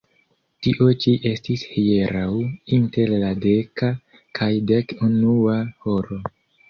Tio ĉi estis hieraŭ inter la deka kaj dek unua horo.